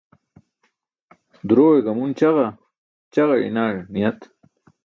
Durowe gamun ćaġa, ćaġa iṅaẏ niyat